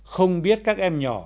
không biết các em nhỏ